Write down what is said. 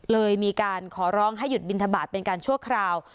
เลยมีการขอร้องให้หยุดบินทบาทเป็นการชั่วคราว